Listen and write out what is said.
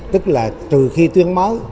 tức là trừ khi tuyến mới